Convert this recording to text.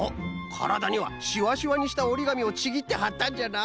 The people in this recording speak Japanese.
からだにはしわしわにしたおりがみをちぎってはったんじゃな。